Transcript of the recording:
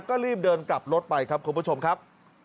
ก็รีบเดินกลับรถไปครับคุณผู้ชมครับ